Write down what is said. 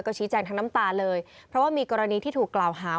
ชี้แจงทั้งน้ำตาเลยเพราะว่ามีกรณีที่ถูกกล่าวหา